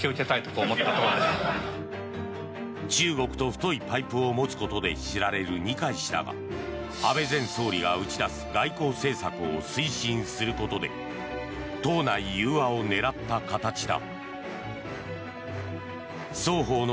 中国と太いパイプを持つことで知られる二階氏だが安倍前総理が打ち出す外交政策を推進することで党内融和を狙った形だ。